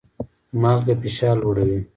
مالګه فشار لوړوي